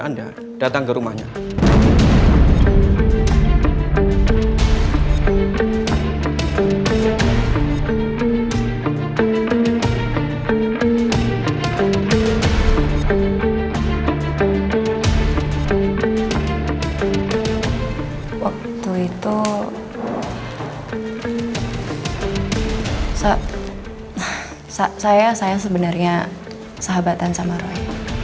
anda datang ke rumahnya waktu itu saya saya saya sebenarnya sahabatan sama roy